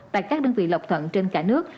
tại các đơn vị lọc thận trên cả nước